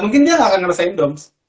mungkin dia gak akan ngerasain doms